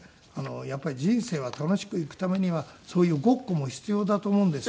やっぱり人生は楽しくいくためにはそういうごっこも必要だと思うんですよ。